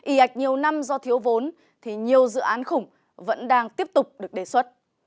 y ạch nhiều năm do thiếu vốn thì nhiều dự án khủng vẫn đang tiếp tục được đề xuất